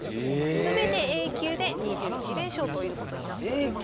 すべてＡ級で２１連勝ということになっております。